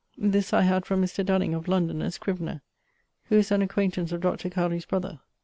This I had from Mr. Dunning of London, a scrivener, who is an acquaintance of Dr. Cowley's brother.